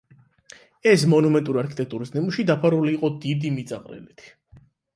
ეს მონუმენტური არქიტექტურის ნიმუში, დაფარული იყო დიდი მიწაყრილით.